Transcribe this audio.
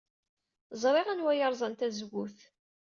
Ẓriɣ anwa ay yerẓan tazewwut.